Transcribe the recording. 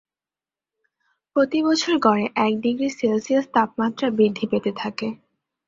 প্রতিবছর গড়ে এক ডিগ্রী সেলসিয়াস তাপমাত্রা বৃদ্ধি পেতে থাকে।